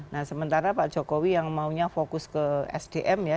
nah sementara pak jokowi yang maunya fokus ke sdm ya